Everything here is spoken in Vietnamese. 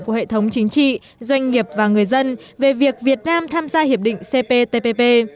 của hệ thống chính trị doanh nghiệp và người dân về việc việt nam tham gia hiệp định cptpp